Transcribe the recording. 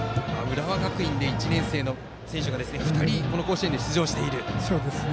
浦和学院で１年生の選手が２人、甲子園に出場している。